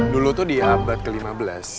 dulu tuh di abad ke lima belas